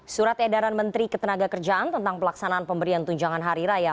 surat edaran menteri ketenaga kerjaan tentang pelaksanaan pemberian tunjangan hari raya